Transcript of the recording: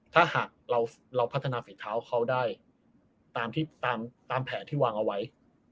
ถ้าหากเราพัฒนาฝีเท้าเขาได้ตามแผนที่วางเอาไว้